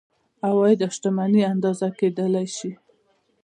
عواید او شتمني اندازه کیدلی شي.